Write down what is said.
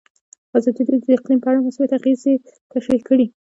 ازادي راډیو د اقلیم په اړه مثبت اغېزې تشریح کړي.